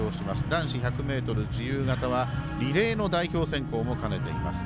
男子１００ｍ自由形はリレーの代表選考も兼ねています。